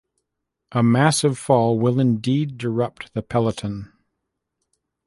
A massive fall will indeed disrupt the peloton.